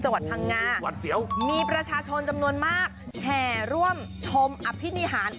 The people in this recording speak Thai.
จังหวัดพังงาหวัดเสียวมีประชาชนจำนวนมากแห่ร่วมชมอภินิหาร